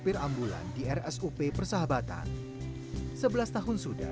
ikaf menjaga kesehatan keluarganya